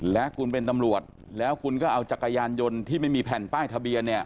และคุณเป็นตำรวจแล้วคุณก็เอาจักรยานยนต์ที่ไม่มีแผ่นป้ายทะเบียนเนี่ย